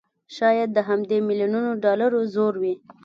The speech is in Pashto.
شايد د همدې مليونونو ډالرو زور وي